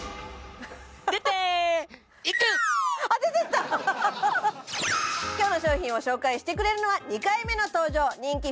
アハハハハッ今日の商品を紹介してくれるのは２回目の登場人気